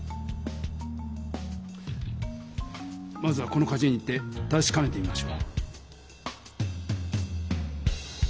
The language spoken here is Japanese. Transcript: まずはこのかじゅ園に行ってたしかめてみましょう。